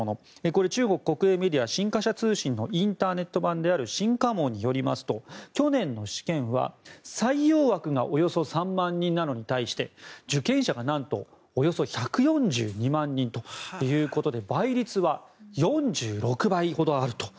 これ、中国国営メディア新華社通信のインターネット版である新華網によりますと去年の試験は採用枠がおよそ３万人なのに対して受験者が、なんとおよそ１４２万人ということで倍率は４６倍ほどあると。